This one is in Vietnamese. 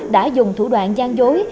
đã dùng thủ đoạn gian dối